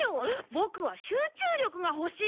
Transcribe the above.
ボクは集中力が欲しい！